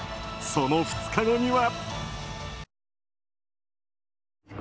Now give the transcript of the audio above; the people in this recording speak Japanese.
その２日後には。